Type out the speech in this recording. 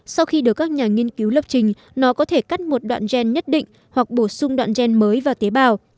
sau khi được các nhà nghiên cứu lập trình nó có thể cắt một đoạn gen nhất định hoặc bổ sung đoạn gen mới và tế bào